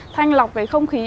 thanh lọc cái không khí